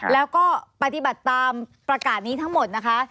แล้วก็ปฏิบัติตามประกาศนี้ทั้งหมดนะคะ